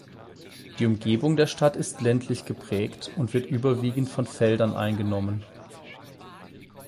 Die Umgebung der Stadt ist ländlich geprägt und wird überwiegend von Feldern eingenommen.